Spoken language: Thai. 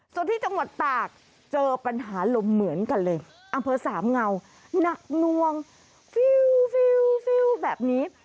ส่วนที่จังหวัดตากเจอปัญหาลมเหมือนกันเลยอำเภอสามเงาหนักนวงฟิวแบบนี้